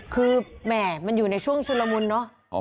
คือแหม่มันอยู่ในช่วงชุนละมุนเนอะ